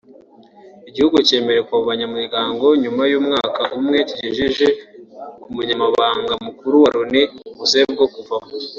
Igihugu cyemererwa kuva mu banyamuryango nyuma y’umwaka umwe kigejeje ku Munyamabanga Mukuru wa Loni ubusabe bwo kuvamo